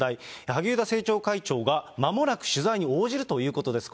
萩生田政調会長がまもなく取材に応じるということです。